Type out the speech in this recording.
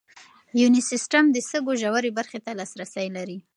یوني سیسټم د سږو ژورې برخې ته لاسرسی لري.